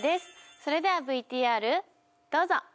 それではＶＴＲどうぞ！